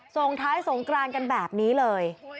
ส่งท้ายสงกรานกันแบบนี้เลย